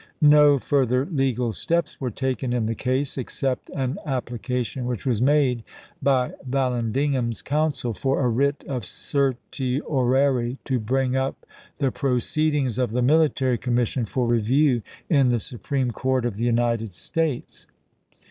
No further legal steps were taken in the case, except an application which was made by Vallandigham's counsel for a writ of certiorari to bring up the proceedings of the military com mission for review in the Supreme Court of the VALLANDIGHAM 341 United States.